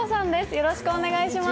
よろしくお願いします。